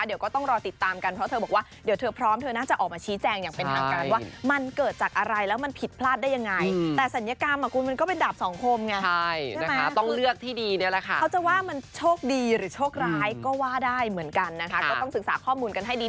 เดี๋ยวก็ต้องรอติดตามกันเพราะเธอบอกว่าเดี๋ยวเธอพร้อม